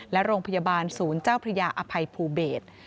และโรงพยาบาลศูนย์เจ้าพระยาอภัยภูเบศ